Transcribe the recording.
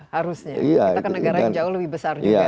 harusnya kita ke negara yang jauh lebih besar juga